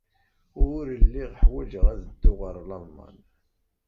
Ur lliɣ ḥwajeɣ ad dduɣ ɣer Lalman.